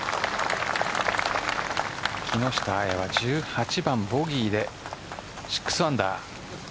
木下彩は１８番ボギーで６アンダー。